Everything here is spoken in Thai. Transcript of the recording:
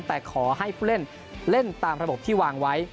แต่ขอให้ผู้เล่นเล่นตามระบบที่วางไว้